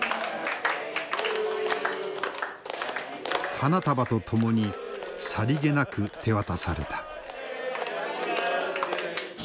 花束と共にさりげなく手渡された。